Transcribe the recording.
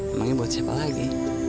emangnya buat siapa lagi